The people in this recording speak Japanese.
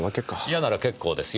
嫌なら結構ですよ。